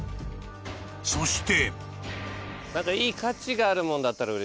［そして］